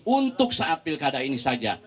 untuk saat pilkada ini saja